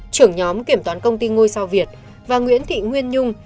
trưởng nhóm kiểm toán công ty ngôi sao việt và nguyễn thị nguyên nhung